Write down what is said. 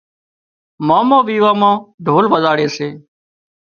مامو ويوان مان ڍول وزاڙي سي